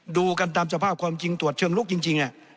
ดูกันตามสภาพความจริงตรวจเชิงลุกจริง